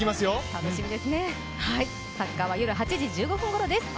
楽しみですね、サッカーは夜８時１５分ごろです。